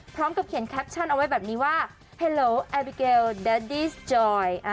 พร้อมกับเขียนแคปชั่นเอาไว้แบบนี้ว่าเฮโลแอร์บิเกลแดดดี้สจอย